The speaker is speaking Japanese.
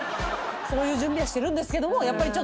そういう準備はしてるんですけどもやっぱり。